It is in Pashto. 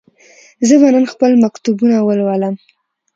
زه به نن خپل مکتوبونه ولولم.